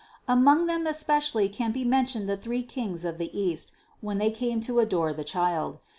Among them especially can be mentioned the three Kings of the East, when they came to adore the Child.